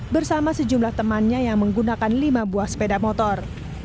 bersama sejumlah temannya yang menggunakan lima buah sepeda motor